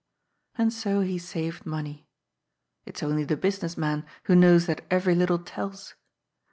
And so he saved money. It's only the business man who knows that every little tells.